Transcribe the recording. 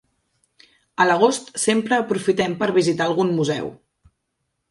A l'agost sempre aprofitem per visitar algun museu.